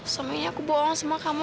sebenarnya aku bohong sama kamu